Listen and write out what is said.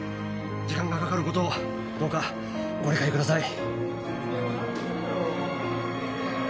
時間がかかることをどうかご理解ください